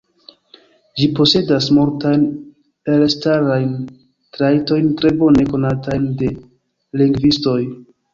Ĝi posedas multajn elstarajn trajtojn tre bone konatajn de lingvistoj.